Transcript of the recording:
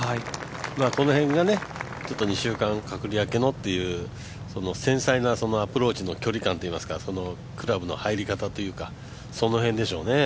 この辺がちょっと２週間隔離明けのというその繊細なアプローチの距離感といいますかクラブの入り方というか、その辺でしょうね。